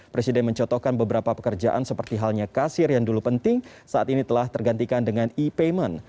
presiden mencotokkan beberapa pekerjaan seperti halnya kasir yang dulu penting saat ini telah tergantikan dengan e payment